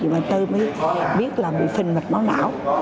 mới biết là bị phình mệt máu não